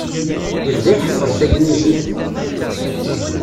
Yebda iḥeffeḍ tagnizit.